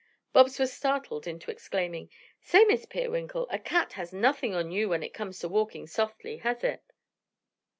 Bobs was startled into exclaiming: "Say, Miss Peerwinkle, a cat has nothing on you when it comes to walking softly, has it?"